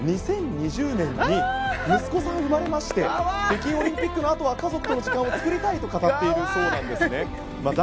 ２０２０年に息子さんが生まれまして北京オリンピックのあとは家族との時間を作りたいと語っているそうなんです。